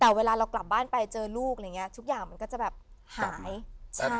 แต่เวลาเรากลับบ้านไปเจอลูกอะไรอย่างเงี้ทุกอย่างมันก็จะแบบหายใช่